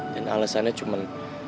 dan alasannya cuman